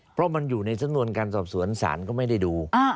เพราะมันอยู่ในสำนวนการสอบสวนศาลก็ไม่ได้ดู